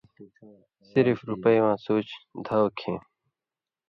صرف رُپئ واں سُوچ دھاؤ کھیں